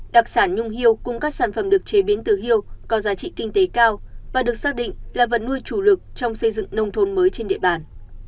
đặc sản nhung hiêu cùng các sản phẩm được chế biến từ hiêu có giá trị kinh tế cao và được xác định là vật nuôi chủ lực trong xây dựng nông thôn mới trên địa bàn